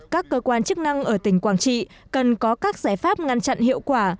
các cơ quan chức năng ở tỉnh quảng trị cần có các giải pháp ngăn chặn hiệu quả